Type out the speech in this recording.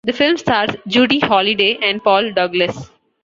The film stars Judy Holliday and Paul Douglas.